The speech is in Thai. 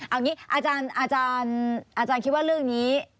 เอาอย่างนี้อาจารย์อาจารย์คิดว่าเรื่องนี้